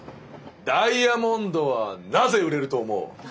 ダイヤモンドはなぜ売れると思う？